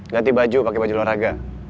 ganti baju pake baju luar raga